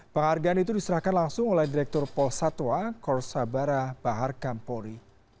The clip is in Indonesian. penghargaan itu diserahkan langsung oleh direktur pol satwa korsabara bahar kampori